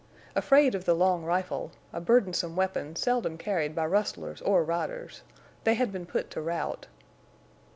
Afraid of the long rifle—a burdensome weapon seldom carried by rustlers or riders—they had been put to rout.